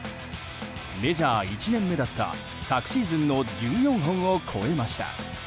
メジャー１年目だった昨シーズンの１４本を超えました。